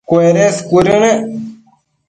cuedes cuëdënec